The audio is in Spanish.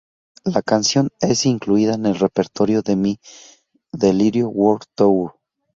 La canción es incluida en el repertorio de "Mi delirio World Tour".